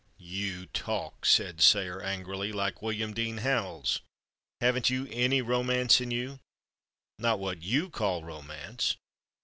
"You talk," said Sayre angrily, "like William Dean Howells! Haven't you any romance in you?" "Not what you call romance.